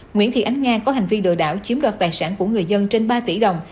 nguyễn thị ánh nga có hành vi lừa đảo chiếm đoạt tài sản của người dân trên ba tỷ đồng